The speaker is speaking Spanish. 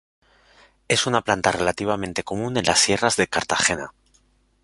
Es una planta relativamente común en las sierras de Cartagena.